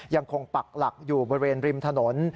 ปักหลักอยู่บริเวณริมถนน